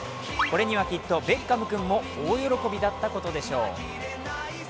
これには、きっとベッカム君も大喜びだったことでしょう。